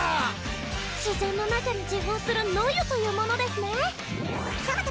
自然の中に自噴する野湯というものデスネ。